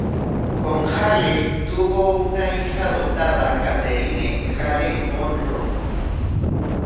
Con Hale tuvo una hija adoptada, Catherine Hale-Monro.